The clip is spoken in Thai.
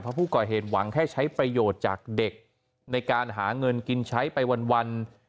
เพราะผู้ก่อเหตุหวังแค่ใช้ประโยชน์จากเด็กในการหาเงินกินใช้ไปวัน